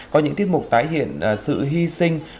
có những tiếp mục tái hiện sự hy sinh